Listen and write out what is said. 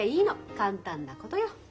簡単なことよ。